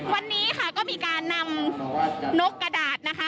วันนี้ค่ะก็มีการนำนกกระดาษนะคะ